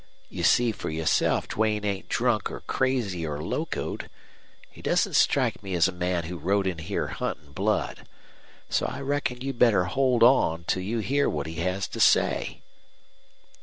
You see for yourself Duane ain't drunk or crazy or locoed. He doesn't strike me as a man who rode in here huntin' blood. So I reckon you'd better hold on till you hear what he has to say."